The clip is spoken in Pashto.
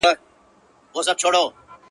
سل ئې مړه کړه لا ئې بدي نه بولې.